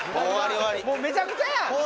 もうめちゃくちゃや！